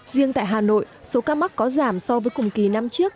riêng tại hà nội số ca mắc có giảm so với cùng kỳ năm trước